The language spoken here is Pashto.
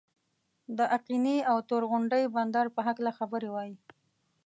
د آقینې او تور غونډۍ بندر په هکله خبرې وای.